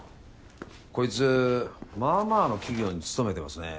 こいつまあまあの企業に勤めてますね。